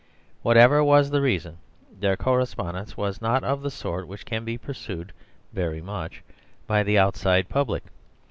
Whatever was the reason, their correspondence was not of the sort which can be pursued very much by the outside public.